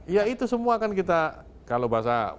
ya itu semua kan kita kalau bahasa